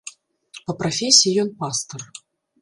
Па прафесіі ён пастар.